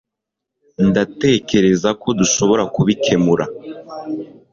ndatekereza ko dushobora kubikemura